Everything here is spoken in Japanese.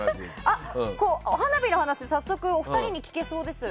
花火の話を早速お二人に聞けそうです。